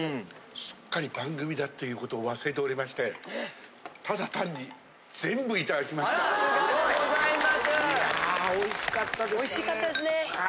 しっかり番組だということを忘れておりまして、ただ単に全部すごい、ありがとうございまいやー、おいしかったですね。